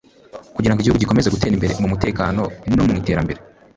kugira ngo igihugu gikomeze gutera imbere mu mutekano no mu iterambere